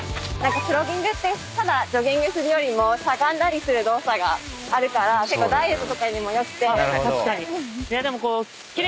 プロギングってただジョギングするよりもしゃがんだりする動作があるから結構ダイエットとかにも良くて。